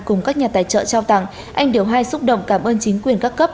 cùng các nhà tài trợ trao tặng anh điều hai xúc động cảm ơn chính quyền các cấp